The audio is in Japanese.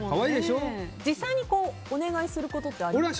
実際にお願いすることってありますか？